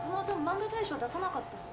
漫画大賞出さなかったの？